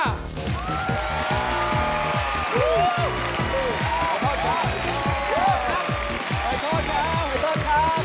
หอยทอดครับ